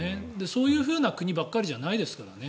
そういうふうな国ばっかりじゃないですからね。